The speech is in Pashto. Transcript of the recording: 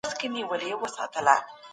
ګاونډیو هیوادونو ښې اړیکي لرلې.